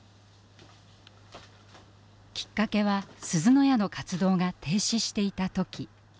きっかけはすずの家の活動が停止していた時。